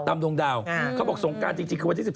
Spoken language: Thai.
ดวงดาวเขาบอกสงการจริงคือวันที่๑